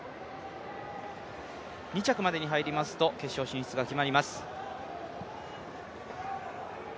２着までに入りますと決勝進出が決まります。